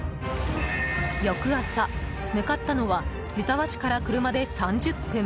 翌朝、向かったのは湯沢市から車で３０分。